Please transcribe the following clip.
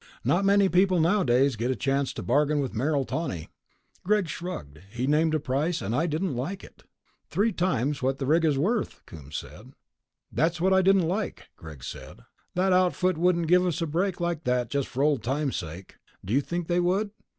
"Not many people nowadays get a chance to bargain with Merrill Tawney." Greg shrugged. "He named a price and I didn't like it." "Three times what the rig is worth," Coombs said. "That's what I didn't like," Greg said. "That outfit wouldn't give us a break like that just for old times' sake. Do you think they would?"